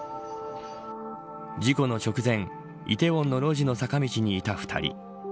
事故の直前梨泰院の路地の坂道にいた２人。